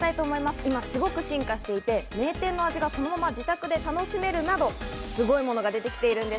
今すごく進化していて、名店の味がそのまま自宅で楽しめるなど、すごいものが出てきているんです。